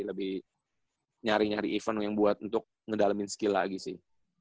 lebih nyari nyari event yang buat untuk ngedalemin skill lagi sih